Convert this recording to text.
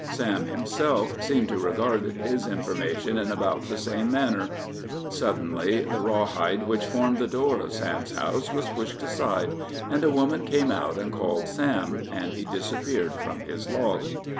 Sam himself seemed to regard his information in about the same manner. Suddenly the raw hide which formed the door of Sam's house was pushed aside, and a woman came out and called Sam, and he disappeared from his log.